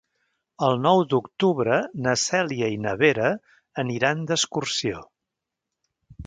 El nou d'octubre na Cèlia i na Vera aniran d'excursió.